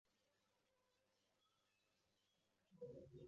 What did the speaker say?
背部鳞片大而腹部鳞片小。